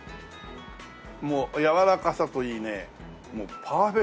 もうやわらかさといいねもうパーフェクトです。